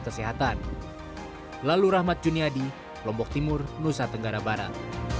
kesehatan lalu rahmat juniadi lombok timur nusa tenggara barat